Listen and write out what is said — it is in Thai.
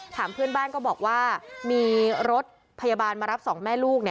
เพื่อนบ้านก็บอกว่ามีรถพยาบาลมารับสองแม่ลูก